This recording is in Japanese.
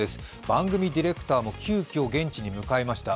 番組ディレクターも急きょ現地に向かいました。